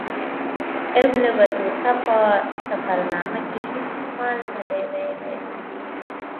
ابن بطوطه په سفرنامې کې هیڅ کمال نه دی ویلی.